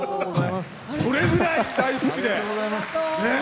それぐらい大好きで。